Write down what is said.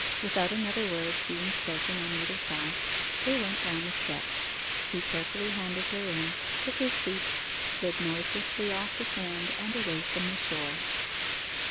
Without another word being spoken on either side, they went down the steps. He carefully handed her in, took his seat, slid noiselessly off the sand, and away from the shore.